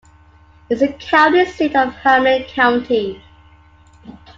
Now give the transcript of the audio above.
It is the county seat of Hamlin County.